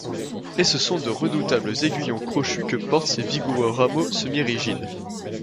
Et ce sont de redoutables aiguillons crochus que portent ses vigoureux rameaux semi-rigides.